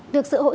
được sự kiểm tra